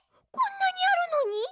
こんなにあるのに？